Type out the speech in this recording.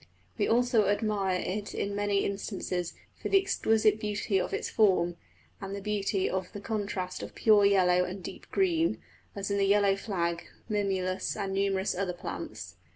We also admire it in many instances for the exquisite beauty of its form, and the beauty of the contrast of pure yellow and deep green, as in the yellow flag, mimulus, and numerous other plants.